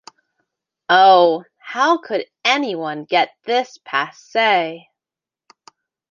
Oh, how could anyone get this passe?